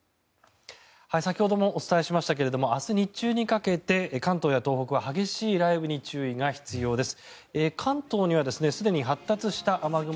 先ほどもお伝えしましたが明日日中にかけて関東や東北は激しい雷雨に注意が必要です。